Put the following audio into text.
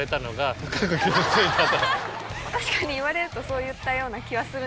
確かに言われるとそう言ったような気はする。